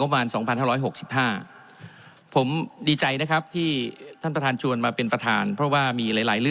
งบร้าน๒๖๖๕ผมดีใจนะครับที่ท่านประทานจวนมาเป็นประทานเพราะว่ามีหลาย